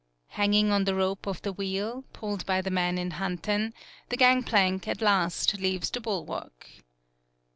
Hanging on the rope of the wheel, 64 THE PIER pulled by the man in Hanten, the gang plank at last leaves the bulwark.